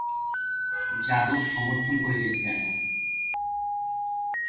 যাদব সমর্থন করিলেন কেন?